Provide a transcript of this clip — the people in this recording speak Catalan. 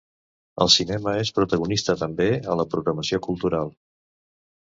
El cinema és protagonista també a la programació cultural.